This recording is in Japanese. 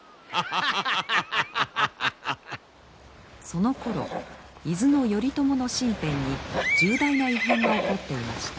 そのころ伊豆の頼朝の身辺に重大な異変が起こっていました。